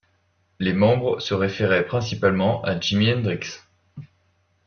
Les membres se référaient principalement à Jimi Hendrix.